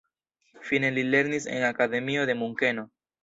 Fine li lernis en akademio de Munkeno.